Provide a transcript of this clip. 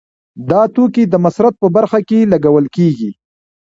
دا توکي د مصرف په برخه کې لګول کیږي.